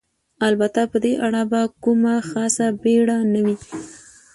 البته په دې اړه به کومه خاصه بېړه نه وي.